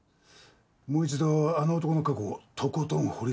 もう一度あの男の過去をとことん掘り下げてくれ。